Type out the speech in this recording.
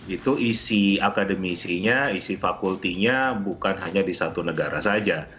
itu isi akademisinya isi fakultinya bukan hanya di satu negara saja